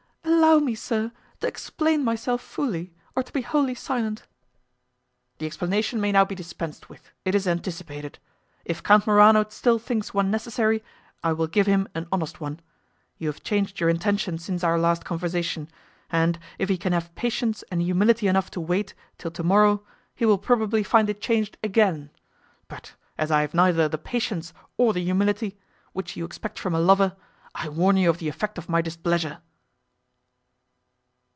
"Allow me, sir, to explain myself fully, or to be wholly silent." "The explanation may now be dispensed with; it is anticipated. If Count Morano still thinks one necessary, I will give him an honest one: you have changed your intention since our last conversation; and, if he can have patience and humility enough to wait till tomorrow, he will probably find it changed again: but as I have neither the patience nor the humility, which you expect from a lover, I warn you of the effect of my displeasure!"